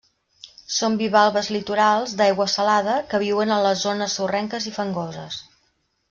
Són bivalves litorals d'aigua salada que viuen a les zones sorrenques i fangoses.